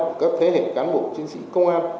của các thế hệ cán bộ chiến sĩ công an